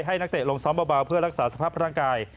นักเตะลงซ้อมเบาเพื่อรักษาสภาพร่างกาย